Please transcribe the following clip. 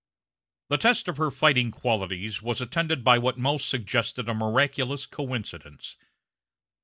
The test of her fighting qualities was attended by what almost suggested a miraculous coincidence.